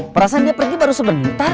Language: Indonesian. perasaan dia pergi baru sebentar